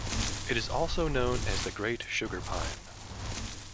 It is also known as the great sugar pine.